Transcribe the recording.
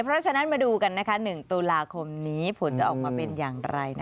เพราะฉะนั้นมาดูกัน๑ตุลาคมนี้ผลจะออกมาเป็นอย่างไร